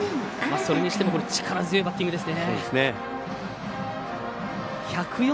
それにしても力強いバッティングですね。